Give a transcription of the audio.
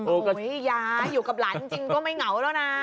โอ้โหยายอยู่กับหลานจริงก็ไม่เหงาแล้วนะ